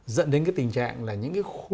dẫn đến cái tình trạng là những cái khu